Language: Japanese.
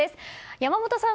山本さん